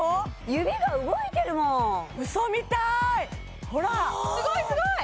指が動いてるもんウソみたーいほらすごいすごい！